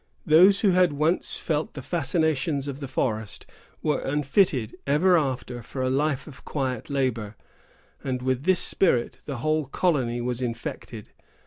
Those who had once felt the fascinations of the forest were unfitted ever after for a life of quiet labor; and with this spirit the whole colony was infected.